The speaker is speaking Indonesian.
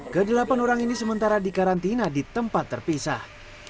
kedelapan orang ini sementara di karantina di tempat terpisah